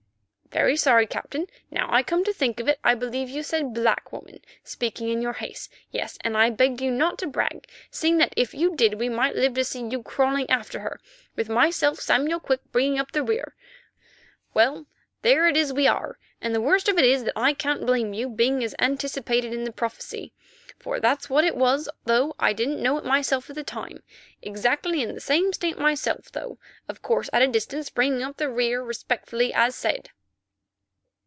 "Very sorry, Captain, now I come to think of it, I believe you said black woman, speaking in your haste. Yes and I begged you not to brag, seeing that if you did we might live to see you crawling after her, with myself, Samuel Quick bringing up the rear. Well, there it is we are, and the worst of it is that I can't blame you, being as anticipated in the prophecy—for that's what it was though I didn't know it myself at the time—exactly in the same state myself, though, of course, at a distance, bringing up the rear respectfully, as said."